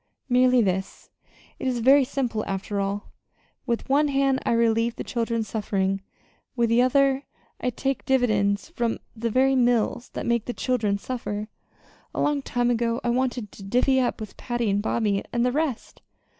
"Merely this. It is very simple, after all. With one hand I relieve the children's suffering; with the other I take dividends from the very mills that make the children suffer. A long time ago I wanted to 'divvy up' with Patty, and Bobby and the rest.